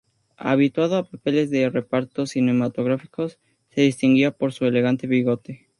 Habituado a papeles de reparto cinematográficos, se distinguía por su elegante bigote.